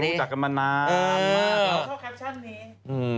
ตอนเย็นก็ก็อ้วนหน่อยไหม